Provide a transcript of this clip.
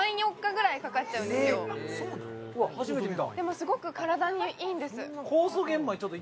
初めて見たでもすごく体にいいんです